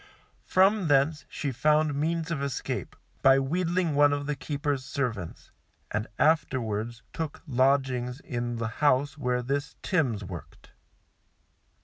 From thence she found means of escape by wheedling one of the keeper's servants, and afterwards took lodgings in the house where this Timms worked.